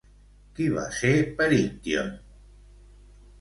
Qui va ser Perictione?